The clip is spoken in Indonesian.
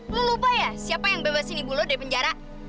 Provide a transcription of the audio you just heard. lo lupa ya siapa yang bebasin ibu lo dari penjara